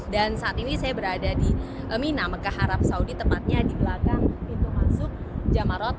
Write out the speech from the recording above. dan saat ini saya berada di mina mekah arab saudi tepatnya di belakang pintu masuk jamarot